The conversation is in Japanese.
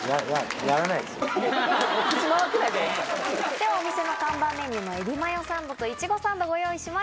ではお店の看板メニューのエビマヨサンドとイチゴサンドご用意しました。